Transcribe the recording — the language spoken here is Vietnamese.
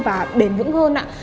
và đền hưởng hơn ạ